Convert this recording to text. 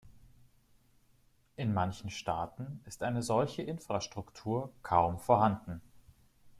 In manchen Staaten ist eine solche Infrastruktur kaum vorhanden.